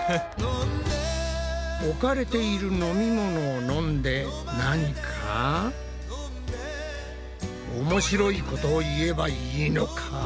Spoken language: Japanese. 置かれている飲み物を飲んで何かおもしろいことを言えばいいのか？